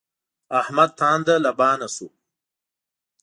احمد تانده لبانه شو.